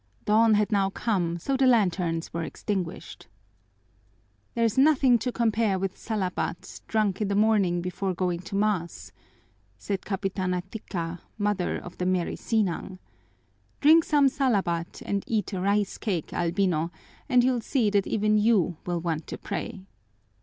Dawn had now come, so the lanterns were extinguished. "There's nothing to compare with salabat, drunk in the morning before going to mass," said Capitana Tika, mother of the merry Sinang. "Drink some salabat and eat a rice cake, Albino, and you'll see that even you will want to pray."